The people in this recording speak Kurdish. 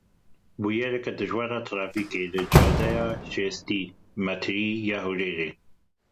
Bûyereke dijwar a trafîkê li cadeya şêstî metrî ya Hewlêrê.